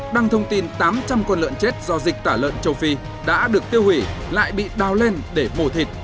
đăng thông tin tám trăm linh con lợn chết do dịch tả lợn châu phi đã được tiêu hủy lại bị đào lên để mổ thịt